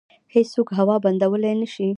هیڅوک هوا بندولی نشي.